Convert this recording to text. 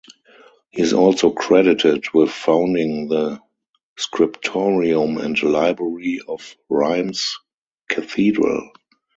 He is also credited with founding the scriptorium and library of Reims Cathedral.